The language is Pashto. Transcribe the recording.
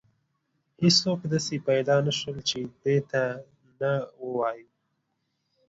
هیڅوک داسې پیدا نه شول چې دې ته نه ووایي.